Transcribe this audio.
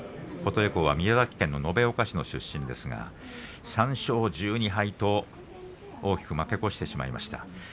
琴恵光は宮崎県延岡市の出身ですが３勝１２敗と大きく負け越してしまいました。